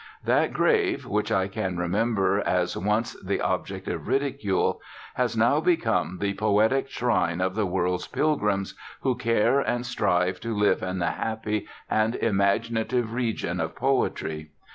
That grave, which I can remember as once the object of ridicule, has now become the poetic shrine of the world's pilgrims who care and strive to live in the happy and imaginative region of poetry.